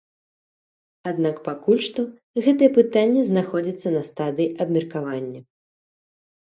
Аднак пакуль што гэтае пытанне знаходзіцца на стадыі абмеркавання.